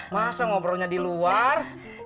masa ngobrolnya di luar